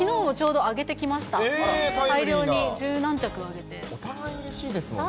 大量に、お互いうれしいですもんね。